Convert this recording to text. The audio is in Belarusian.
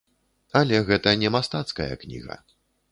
Але гэта не мастацкая кніга.